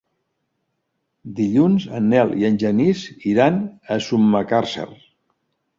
Dilluns en Nel i en Genís iran a Sumacàrcer.